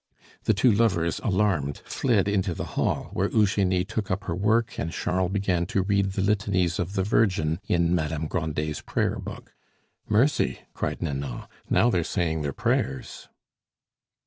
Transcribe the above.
The two lovers, alarmed, fled into the hall, where Eugenie took up her work and Charles began to read the litanies of the Virgin in Madame Grandet's prayer book. "Mercy!" cried Nanon, "now they're saying their prayers."